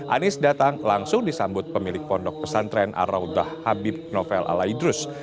anis datang langsung disambut pemilik pondok pesantren arraudah habib novel al aidrus